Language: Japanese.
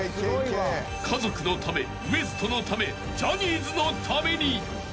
［家族のためＷＥＳＴのためジャニーズのために］